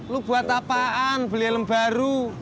lo buat apaan beli helm baru